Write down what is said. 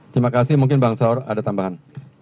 terima kasih mungkin bang saur ada tambahan